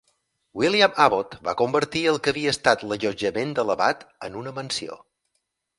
William Abbot va convertir el que havia estat l'allotjament de l'abat en una mansió.